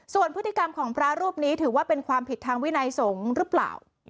ส่วนพฤติกรรมของพระรูปนี้ถือว่าเป็นความผิดทางวินัยสงฆ์หรือเปล่า